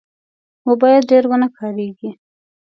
موبایل باید ډېر ونه کارېږي.